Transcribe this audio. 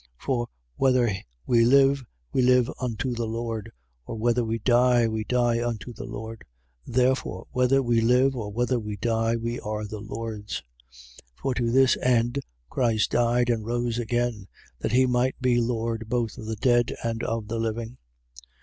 14:8. For whether we live, we live unto the Lord: or whether we die, we die unto the Lord. Therefore, whether we live or whether we die, we are the Lord's. 14:9. For to this end Christ died and rose again: that he might be Lord both of the dead and of the living.